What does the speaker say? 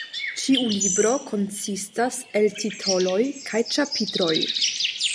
Ĉiu libro konsistas el titoloj kaj ĉapitroj.